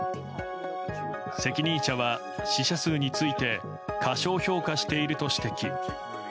責任者は死者数について過小評価していると指摘。